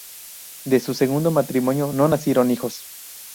De su segundo matrimonio no nacieron hijos.